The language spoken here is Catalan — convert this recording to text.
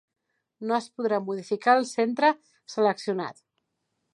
No es podrà modificar el centre seleccionat.